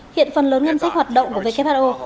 hiện phần lớn ngân sách hoạt động của who